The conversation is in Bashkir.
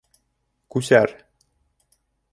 — Күсәр!